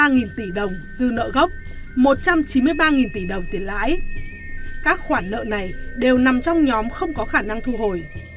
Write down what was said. bốn trăm tám mươi ba nghìn tỷ đồng dư nợ gốc một trăm chín mươi ba nghìn tỷ đồng tiền lãi các khoản nợ này đều nằm trong nhóm không có khả năng thu hồi